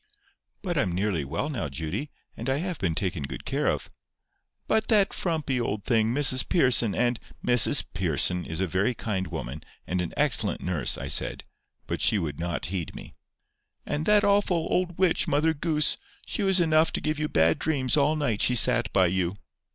"But I'm nearly well now, Judy, and I have been taken good care of." "By that frumpy old thing, Mrs Pearson, and—" "Mrs Pearson is a very kind woman, and an excellent nurse," I said; but she would not heed me. "And that awful old witch, Mother Goose. She was enough to give you bad dreams all night she sat by you."